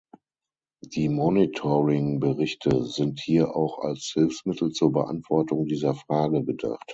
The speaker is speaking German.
Die Monitoring-Berichte sind hier auch als Hilfsmittel zur Beantwortung dieser Frage gedacht.